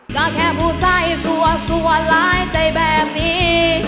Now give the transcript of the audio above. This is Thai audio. ก็แค่ผู้ใส่สัวหลายใจแบบนี้